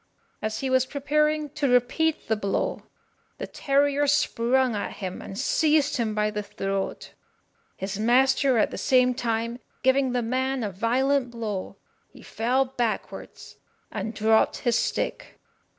As he was preparing to repeat the blow, the terrier sprung at him, and seized him by the throat. His master, at the same time, giving the man a violent blow, he fell backwards and dropped his stick.